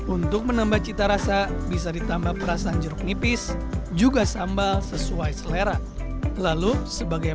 untuk menambah cita rasa bisa ditambah perasaan jeruk nipis juga sambal sesuai selera lalu sebagai